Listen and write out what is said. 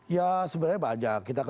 ya sebenarnya banyak